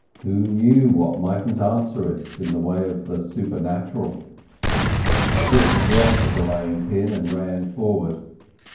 Who knew what mightn't answer it in the way of the supernatural? Dick dropped the belaying pin and ran forward.